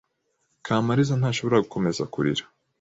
Kamariza ntashobora gukomeza kurira.